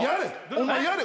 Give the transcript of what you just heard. お前やれ。